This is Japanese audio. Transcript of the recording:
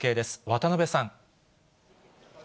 渡邊さん。